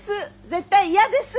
絶対嫌です。